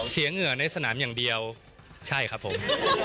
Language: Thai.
เหงื่อในสนามอย่างเดียวใช่ครับผม